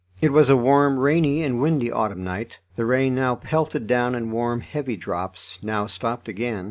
It was a warm, rainy, and windy autumn night. The rain now pelted down in warm, heavy drops, now stopped again.